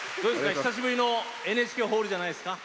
久しぶりのＮＨＫホールじゃないですか？